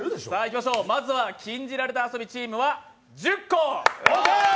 まずは「禁じられた遊び」チームは１０個。